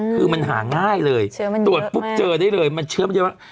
คือมันหาง่ายเลยตรวจปุ๊บเจอได้เลยมันเชื้อมันเยอะมาก